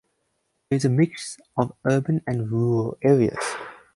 There is a mix of urban and rural areas.